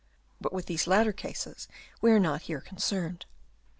; but with these latter cases we are not here concerned.